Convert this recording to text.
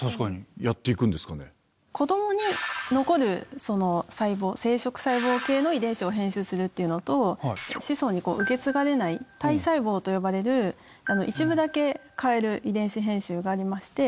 子供に残る細胞生殖細胞系の遺伝子を編集するっていうのと子孫に受け継がれない体細胞と呼ばれる一部だけ変える遺伝子編集がありまして。